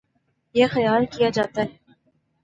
یہ خیال کیا جاتا